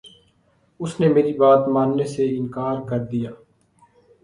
اس نے میری بات ماننے سے انکار کر دیا